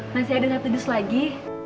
masih ada gak tudus lagi